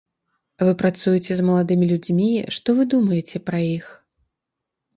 Вы працуеце з маладымі людзьмі, што вы думаеце пра іх?